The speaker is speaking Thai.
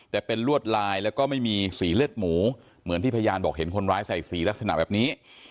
แต่เป็นลวดลายแล้วก็ไม่มีสีเลือดหมูเหมือนที่พยานบอกเห็นคนร้ายใส่สีลักษณะแบบนี้